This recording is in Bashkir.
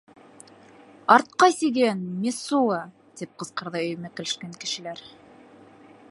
— Артҡа сиген, Мессуа! — тип ҡысҡырҙы өймәкләшкән кешеләр.